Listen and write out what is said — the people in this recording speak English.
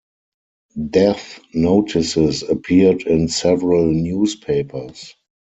Death notices appeared in several newspapers.